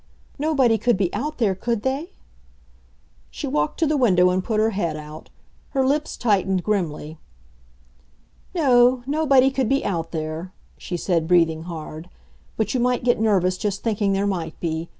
Nobody could be out there, could they?" She walked to the window and put her head out. Her lips tightened grimly. "No, nobody could be out there," she said, breathing hard, "but you might get nervous just thinking there might be.